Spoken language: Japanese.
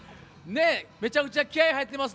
めちゃくちゃ気合い入ってます